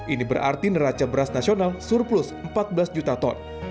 ini berarti neraca beras nasional surplus empat belas juta ton